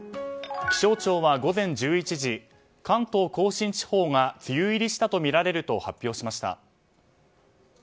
気象庁は午前１１時関東・甲信地方が梅雨入りしたとみられると発表しました。